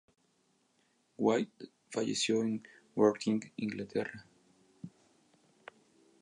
White falleció en Worthing, Inglaterra.